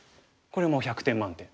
これもう１００点満点。